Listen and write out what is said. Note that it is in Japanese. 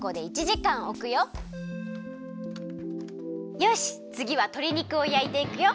よしつぎはとり肉をやいていくよ。